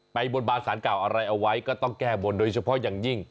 บนบานสารเก่าอะไรเอาไว้ก็ต้องแก้บนโดยเฉพาะอย่างยิ่ง